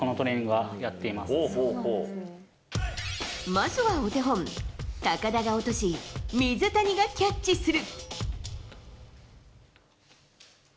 まずはお手本、高田が落とし水谷がキャッチする。